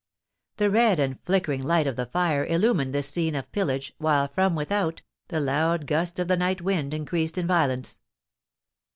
The red and flickering light of the fire illumined this scene of pillage, while, from without, the loud gusts of the night wind increased in violence.